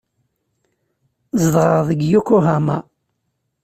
Zedɣeɣ deg Yokohama.